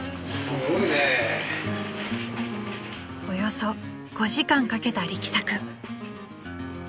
［およそ５時間かけた力作］